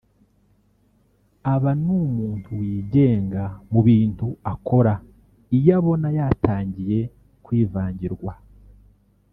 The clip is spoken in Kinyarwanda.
Aba ni umuntu wigenga mu bintu akora iyo abona yatangiye kuvangirwa